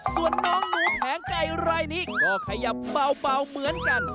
ส่วนน้องหนูแผงไก่รายนี้ก็ขยับเบาเหมือนกัน